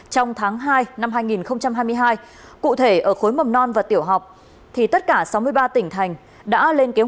xin chào và hẹn gặp lại